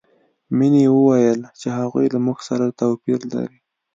مینې وویل چې هغوی له موږ سره توپیر لري